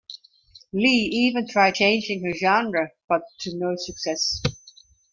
Lee even tried changing her genre, but to no success.